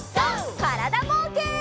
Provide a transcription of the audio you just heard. からだぼうけん。